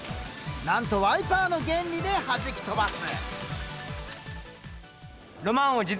なんとワイパーの原理ではじき飛ばす。